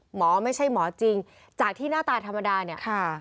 หมอไม่ใช่หมอจริงจากที่หน้าตาธรรมดาเนี่ยค่ะ